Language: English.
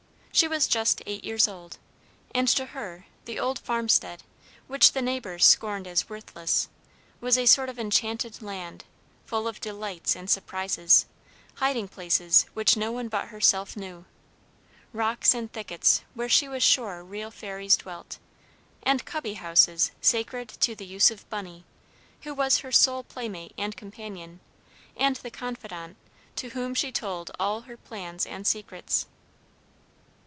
She was just eight years old, and to her the old farmstead, which the neighbors scorned as worthless, was a sort of enchanted land, full of delights and surprises, hiding places which no one but herself knew, rocks and thickets where she was sure real fairies dwelt, and cubby houses sacred to the use of "Bunny," who was her sole playmate and companion, and the confidant to whom she told all her plans and secrets.